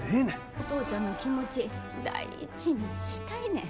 お父ちゃんの気持ち大事にしたいねん。